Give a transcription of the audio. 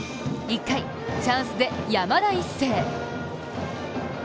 １回、チャンスで山田一成。